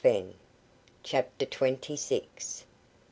CHAPTER TWENTY SIX.